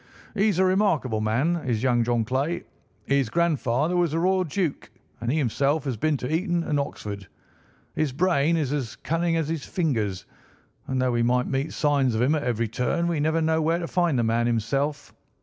He's a remarkable man, is young John Clay. His grandfather was a royal duke, and he himself has been to Eton and Oxford. His brain is as cunning as his fingers, and though we meet signs of him at every turn, we never know where to find the man himself.